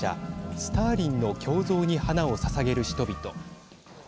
スターリンの胸像に花をささげる人々。